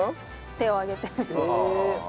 手を上げて。